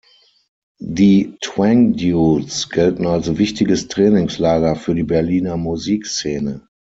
Die "Twang Dudes" gelten als wichtiges Trainingslager für die Berliner Musikszene.